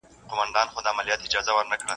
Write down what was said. چي به د اور له پاسه اور راځي.